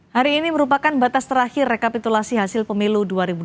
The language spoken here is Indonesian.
hari ini merupakan batas terakhir rekapitulasi hasil pemilu dua ribu dua puluh